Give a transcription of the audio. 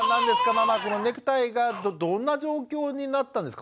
ママこのネクタイがどんな状況になったんですか？